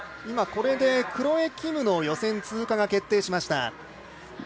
今これでクロエ・キムの予選通過が決定しました。